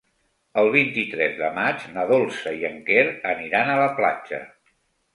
El vint-i-tres de maig na Dolça i en Quer aniran a la platja.